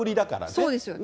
そうですよね。